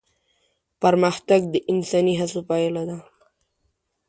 پرمختګ د انساني هڅو پايله ده.